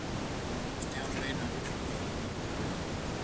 Hamabostean behin arituko da tarte horretan.